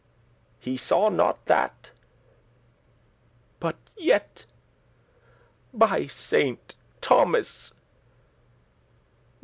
<26> He saw not that. But yet, by Saint Thomas!